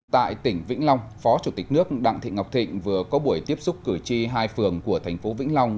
tại tỉnh vĩnh long phó chủ tịch nước đặng thị ngọc thịnh vừa có buổi tiếp xúc cử tri hai phường của thành phố vĩnh long